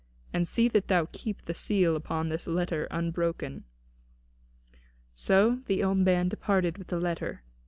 And see that thou keep the seal upon this letter unbroken." So the old man departed with the letter.